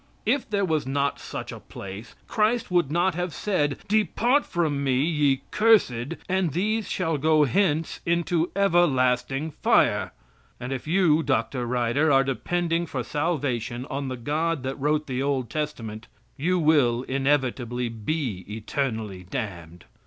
'" If there was not such a place, Christ would not have said: "Depart from me, ye cursed, and these shall go hence into everlasting fire." And if you, Dr. Ryder, are depending for salvation on the God that wrote the Old Testament, you will inevitably be eternally damned.